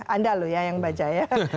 anda loh ya yang baca ya